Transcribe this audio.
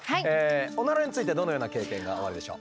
オナラについてどのような経験がおありでしょう？